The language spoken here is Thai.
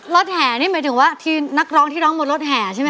แห่นี่หมายถึงว่าทีมนักร้องที่ร้องบนรถแห่ใช่ไหม